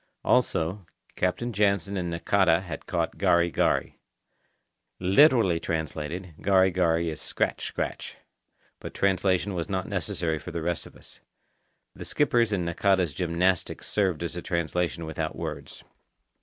Also, Captain Jansen and Nakata had caught gari gari. Literally translated, gari gari is scratch scratch. But translation was not necessary for the rest of us. The skipper's and Nakata's gymnastics served as a translation without words.